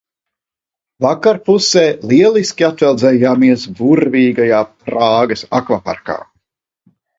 Vakarpusē lieliski atveldzējamies burvīgajā Prāgas akvaparkā.